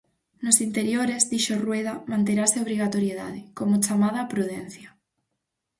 Nos interiores, dixo Rueda, manterase a obrigatoriedade "como chamada á prudencia".